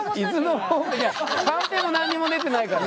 カンペも何にも出てないから。